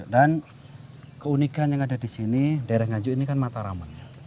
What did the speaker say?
dan keunikan yang ada di sini daerah nganjuk ini kan mataraman